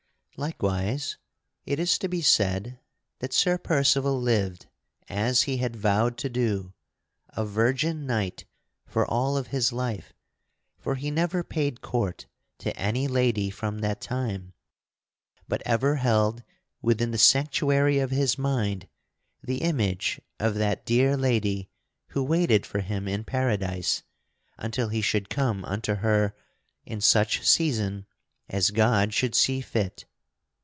Likewise it is to be said that Sir Percival lived, as he had vowed to do, a virgin knight for all of his life; for he never paid court to any lady from that time, but ever held within the sanctuary of his mind the image of that dear lady who waited for him in Paradise until he should come unto her in such season as God should see fit.